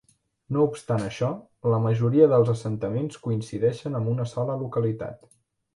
No obstant això, la majoria dels assentaments coincideixen amb una sola localitat.